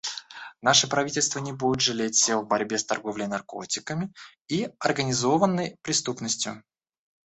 Наше правительство не будет жалеть сил в борьбе с торговлей наркотиками и организованной преступностью.